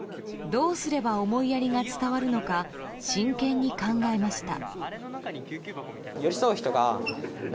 どうすれば思いやりが伝わるのか真剣に考えました。